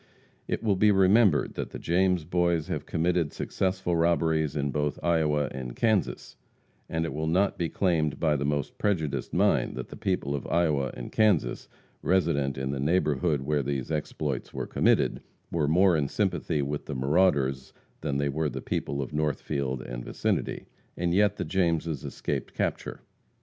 It will be remembered that the James Boys have committed successful robberies in both Iowa and Kansas, and it will not be claimed by the most prejudiced mind that the people of Iowa and Kansas, resident in the neighborhood where these exploits were committed, were more in sympathy with the marauders than were the people of Northfield and vicinity. And yet the Jameses escaped capture.